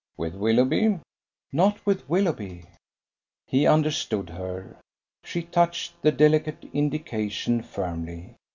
"With Willoughby?" "Not with Willoughby." He understood her. She touched the delicate indication firmly.